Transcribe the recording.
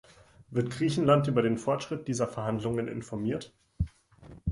Wird Griechenland über den Fortschritt dieser Verhandlungen informiert?